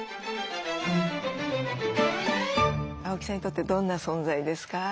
青木さんにとってどんな存在ですか？